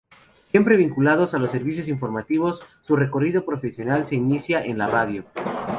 Siempre vinculado a los servicios informativos, su recorrido profesional se inicia en la radio.